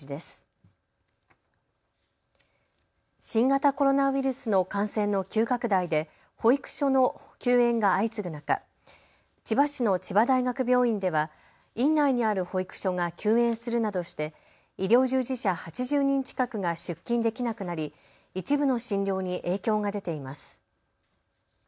新型コロナウイルスの感染の急拡大で保育所の休園が相次ぐ中、千葉市の千葉大学病院では院内にある保育所が休園するなどして医療従事者８０人近くが出勤できなくなり一部の診療に影響が出ています。